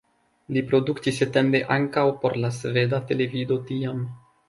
Li produktis etende ankaŭ por la sveda televido tiam.